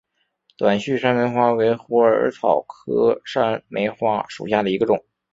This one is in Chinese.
短序山梅花为虎耳草科山梅花属下的一个种。